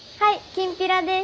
きんぴらです！